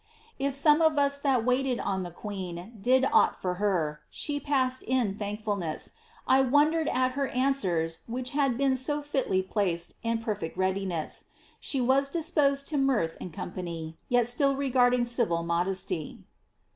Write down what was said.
'*If some of us that waited on the queen. Did ought for her, she past in thankfulness, I wondered at her answers, which have been So fitly placed in perfect readine; is; She was disposed to niirth in company. Yet still regarding civil ino<!esty."